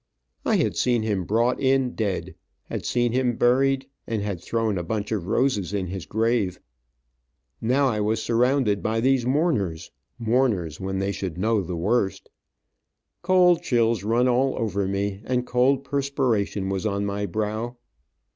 I had seen him brought in, dead, had seen him buried, and had thrown a bunch of roses in his grave. Now I was surrounded by these mourners, mourners when they should know the worst. Cold chills run all over me, and cold perspiration was on my brow.